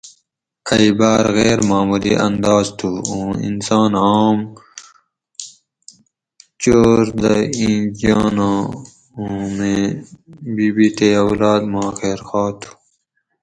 ائ باۤر غیر معمولی انداز تھو اوں انسان عام چور دہ اِیں جاناں اُوں میں بی بی تے اولاد ماں خیرخواہ تھو